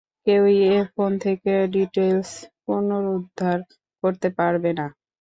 কেউই এ ফোন থেকে ডিটেইলস পুনরুদ্ধার করতে পারবে না।